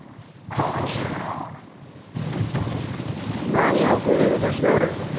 何をグズグズしておる。